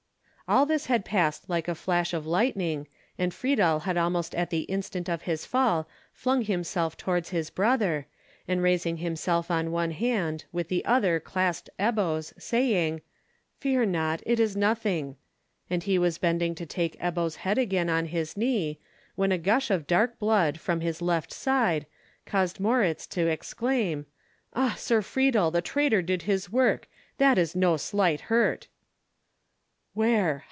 All this had passed like a flash of lightning, and Friedel had almost at the instant of his fall flung himself towards his brother, and raising himself on one hand, with the other clasped Ebbo's, saying, "Fear not; it is nothing," and he was bending to take Ebbo's head again on his knee, when a gush of dark blood, from his left side, caused Moritz to exclaim, "Ah! Sir Friedel, the traitor did his work! That is no slight hurt." "Where?